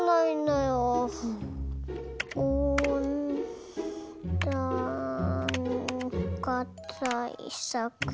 おんだんかたいさく。